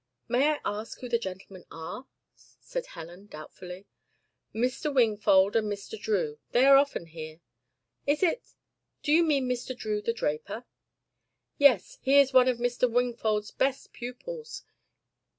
"May I ask who the gentlemen are?" said Helen doubtfully. "Mr. Wingfold and Mr. Drew. They are often here." "Is it do you mean Mr. Drew, the draper?" "Yes. He is one of Mr. Wingfold's best pupils.